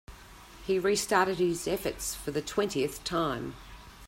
He restarted his efforts for the twentieth time.